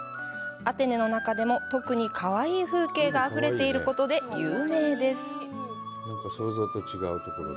アテネの中でも特にかわいい風景があふれていることで有名です。